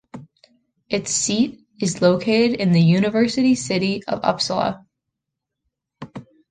Its seat is located in the university city of Uppsala.